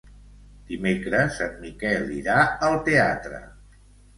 Dimecres en Miquel irà al teatre.